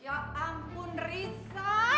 ya ampun risa